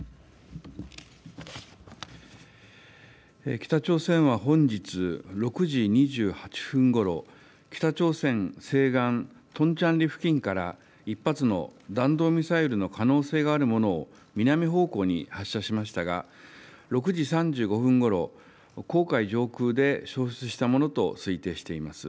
北朝鮮は本日６時２８分ごろ、北朝鮮西岸トンチャンリ付近から、１発の弾道ミサイルの可能性があるものを南方向に発射しましたが、６時３５分ごろ、黄海上空で消失したものと推定しています。